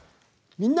「みんな！